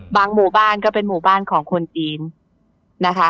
หมู่บ้านก็เป็นหมู่บ้านของคนจีนนะคะ